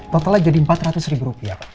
totalnya jadi empat ratus ribu rupiah pak